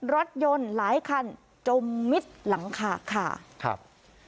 รถยนต์หลายคันจมมิดหลังคาค่ะครับ